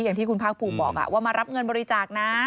อย่างที่คุณภาคภูมิบอกว่ามารับเงินบริจาคนะ